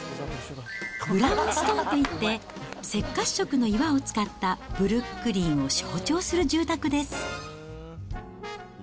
ブラウンストーンといって、赤褐色の岩を使った、ブルックリンを象徴する住宅です。